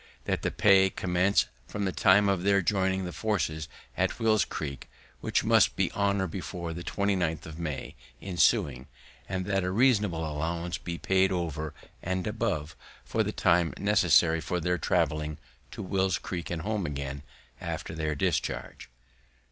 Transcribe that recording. That the pay commence from the time of their joining the forces at Will's Creek, which must be on or before the 20th of May ensuing, and that a reasonable allowance be paid over and above for the time necessary for their travelling to Will's Creek and home again after their discharge.